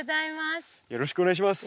よろしくお願いします。